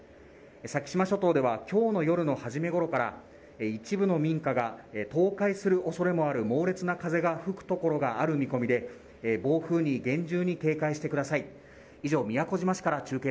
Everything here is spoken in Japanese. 先島諸島ではきょうの夜の初めごろから一部の民家が倒壊するおそれもある猛烈な風が吹く所がある見込みで暴風に厳重に警戒してください